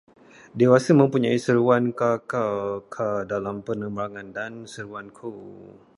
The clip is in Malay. Dewasa mempunyai seruan ka-ka-ka dalam penerbangan dan seruan ko